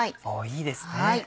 いいですね。